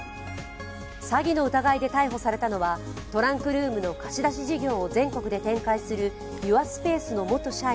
詐欺の疑いで逮捕されたのはトランクルームの貸し出し事業を全国で展開するユアスペースの元社員